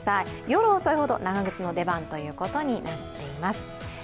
夜遅いほど長靴の出番ということになっています。